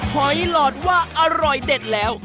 หอยหลอดว่าอร่อยเด็ดแล้ว